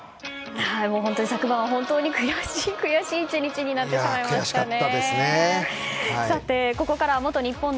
昨晩は本当に悔しい悔しい１日になってしまいましたね。